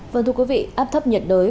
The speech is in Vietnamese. vâng thưa quý vị áp thấp nhiệt đới